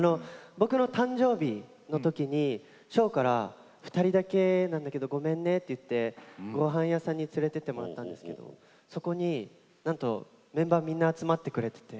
僕の誕生日のときに紫耀から「２人だけなんだけどごめんね」といってごはん屋さんに連れてってもらったんですけどそこになんとメンバーみんな集まってくれてて。